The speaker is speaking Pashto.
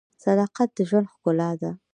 • صداقت د ژوند ښکلا ده.